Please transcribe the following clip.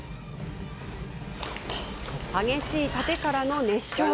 激しい殺陣からの熱唱。